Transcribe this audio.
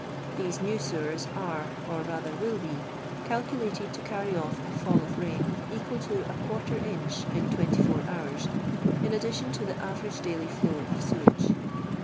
These new sewers are, or rather will be, calculated to carry off a fall of rain, equal to \ inch in *24 hours, in addition to the average daily flow of sewage.